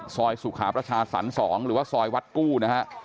ซอยสุขาประชาศรรย์๒หรือว่าซอยวัดกู้นะครับ